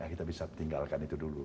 kita bisa tinggalkan itu dulu